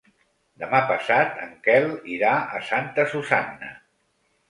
Demà passat en Quel irà a Santa Susanna.